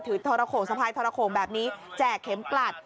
ทรโขงสะพายทรโขงแบบนี้แจกเข็มกลัด